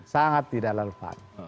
sangat tidak relevan